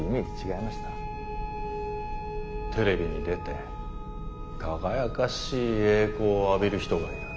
テレビに出て輝かしい栄光を浴びる人がいる。